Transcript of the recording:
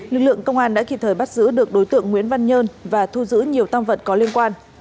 lực lượng công an đã kịp thời bắt giữ được đối tượng nguyễn văn nhơn và thu giữ nhiều tam vật có liên quan